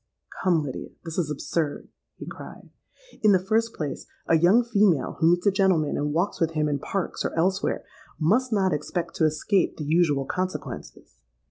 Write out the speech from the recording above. '—'Come, Lydia, this is absurd,' he cried. 'In the first place, a young female who meets a gentleman and walks with him in Parks or elsewhere, must not expect to escape the usual consequences.